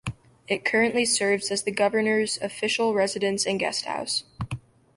It currently serves as the governor's official residence and guest house.